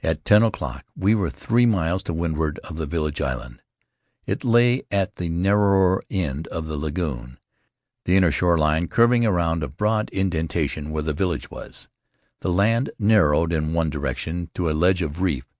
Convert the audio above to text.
At ten o'clock we were three miles to windward of the village island. It lay at the narrower end of the lagoon, the inner shore line curving around a broad indentation where the village wa The land nar rowed in one direction to a ledge of reef.